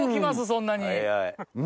そんなに。